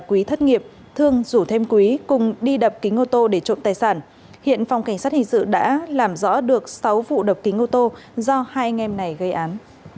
quý thất nghiệp thương rủ thêm quý cùng đi đập kính ô tô để trộm tài sản hiện phòng cảnh sát hình sự đã làm rõ được sáu vụ đập kính ô tô do hai anh em này gây án